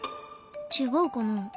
違うかな？